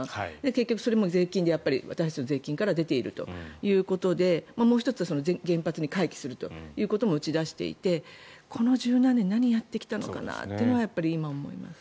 結局それも私たちの税金から出ているということでもう１つは原発に回帰するということも打ち出していてこの１０何年何やってきたのかなと今、思います。